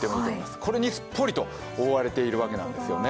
これにすっぽりと覆われているわけなんですよね。